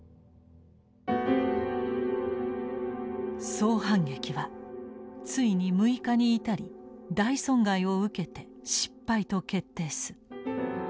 「総反撃はついに６日に至り大損害を受けて失敗と決定す。